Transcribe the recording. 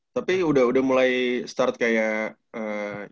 tapi udah mulai start kayaknya